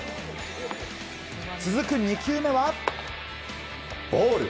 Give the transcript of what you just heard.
続く２球目は、ボール。